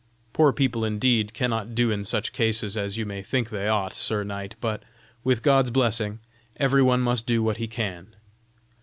Poor people indeed cannot do in such cases as you may think they ought, sir knight, but, with God's blessing, every one must do what he can.